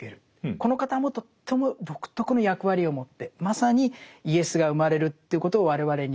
この方もとっても独特の役割を持ってまさにイエスが生まれるということを我々に告げてくれる。